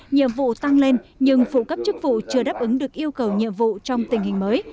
nhiệm vụ tăng lên nhưng phụ cấp chức vụ chưa đáp ứng được yêu cầu nhiệm vụ trong tình hình mới